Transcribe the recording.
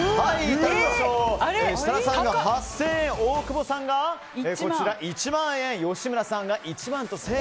設楽さんが８０００円大久保さんが１万円吉村さんが１万１０００円。